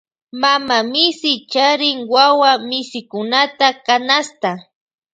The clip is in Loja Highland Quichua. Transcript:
Mama misi charin wuwa misikunata canasta.